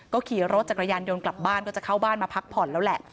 ขี่รถจักรยานยนต์กลับบ้านก็จะเข้าบ้านมาพักผ่อนแล้วแหละ